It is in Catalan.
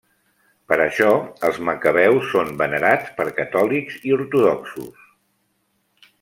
Par això, els Macabeus són venerats per catòlics i ortodoxos.